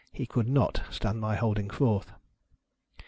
He could not stand my holding forth.